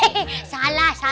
pernah kurang nyatakan udah ya